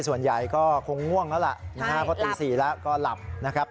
ส่วนใหญ่ก็คงง่วงแล้วล่ะนะครับเพราะตี๔แล้วก็หลับนะครับ